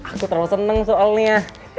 aku terlalu seneng soalnya